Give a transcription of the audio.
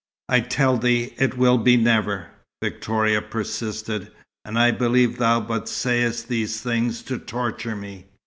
"I tell thee, it will be never," Victoria persisted. "And I believe thou but sayest these things to torture me."